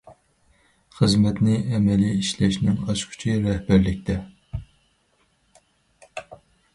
خىزمەتنى ئەمەلىي ئىشلەشنىڭ ئاچقۇچى رەھبەرلىكتە.